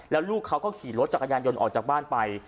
แล้วลูกเขาก็ขี่รถจักรยานยนต์ออกจากบ้านไป